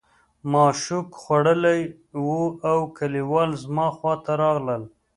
ما شوک خوړلی و او کلیوال زما خواته راغلل